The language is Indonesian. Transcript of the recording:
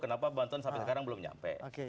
kenapa banten sampai sekarang belum nyampe